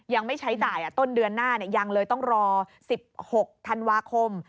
ยังไม่ใช้จ่ายต้นเดือนหน้ายังเลยต้องรอ๑๖ธันวาคม